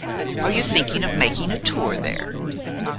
Are you thinking of making a tour there?"